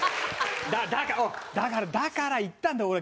だからだから言ったんだよ